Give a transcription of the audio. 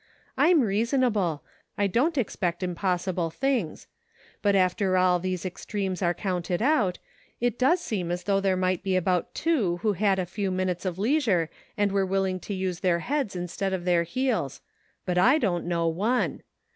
I'm reasonable ; I don't expect impossible things ; but after all these ex tremes are counted out, it does seem as though there might be about two who had a few minutes of leisure and were willing to use their heads in stead of their heels ; but I don't know one.